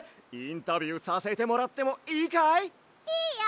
インタビューさせてもらってもいいかい？